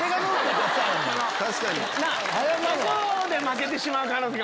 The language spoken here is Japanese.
そこで負けてしまう可能性が。